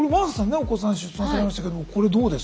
お子さん出産されましたけどもこれどうです？